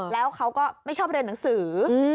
แล้วเขาก็ไม่ชอบเรียนหนังสือ